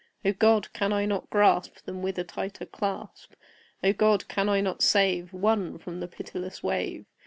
O God! can I not grasp Them with a tighter clasp? O God! can I not save One from the pitiless wave?